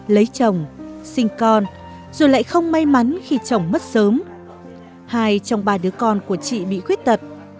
lấy chồng sinh con rồi lại không may mắn khi chồng mất sớm hai trong ba đứa con của chị bị khuyết tật